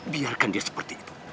biarkan dia seperti itu